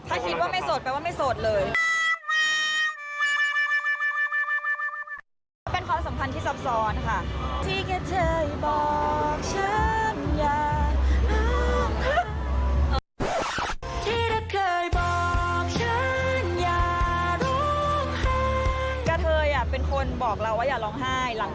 ถ้าคิดว่าโสดมากแปลว่าโสดมาก